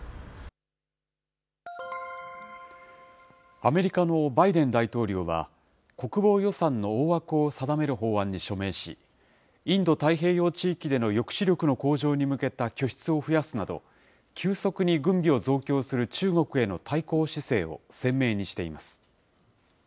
アメリカのバイデン大統領は、国防予算の大枠を定める法案に署名し、インド太平洋地域での抑止力の向上に向けた拠出を増やすなど、急速に軍備を増強する中国への対抗姿勢を鮮明にしています。